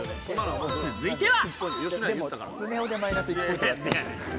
続いては。